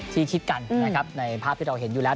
คิดกันนะครับในภาพที่เราเห็นอยู่แล้ว